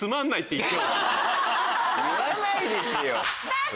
言わないですよ。